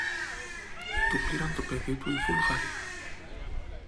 Του πήραν το παιδί του οι Βούλγαροι;